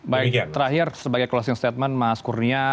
baik terakhir sebagai closing statement mas kurnia